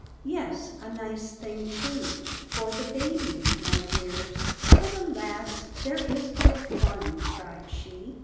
"Yes, a nice thing, too, for the babies, my dears But, alas, there is but one!" cried she.